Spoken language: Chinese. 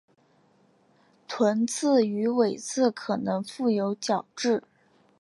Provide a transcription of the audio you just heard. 臀刺与尾刺可能覆有角质。